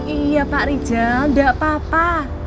iya pak rijal gak apa apa